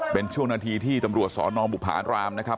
เป็นช่วงนาทีที่ตำรวจสนบุภารามนะครับ